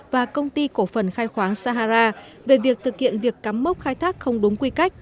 và công ty cổ phần khai khoáng sahara về việc thực hiện việc cắm mốc khai thác không đúng quy cách